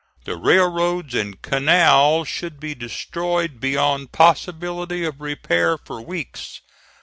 The railroads and canal should be destroyed beyond possibility of repairs for weeks.